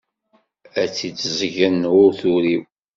Ad tt-id-ẓẓgen ur turiw.